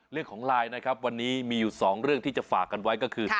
เรื่องของไลน์นะครับวันนี้มีอยู่๒เรื่องที่จะฝากกันไว้ก็คือ